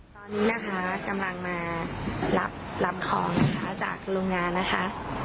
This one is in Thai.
ตอนนี้นะคะกำลังมารับลำคลองนะคะจากโรงงานนะคะ